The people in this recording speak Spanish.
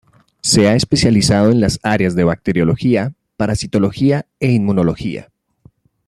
Se ha especializado en las áreas de Bacteriología, Parasitología e Inmunología.